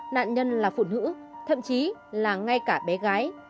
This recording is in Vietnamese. nạn nhân là phụ nữ thậm chí là ngay cả bé gái